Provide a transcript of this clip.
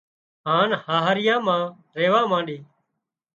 هانَ هاهريان مان ريوا مانڏي